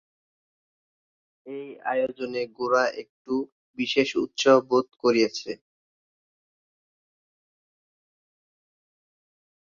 এই আয়োজনে গোরা একটু বিশেষ উৎসাহ বোধ করিয়াছে।